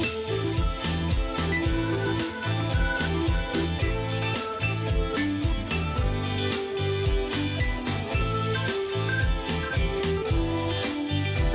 สวัสดีครับ